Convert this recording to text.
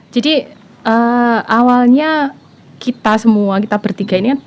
jadi awalnya kita semua kita bertiga ini kan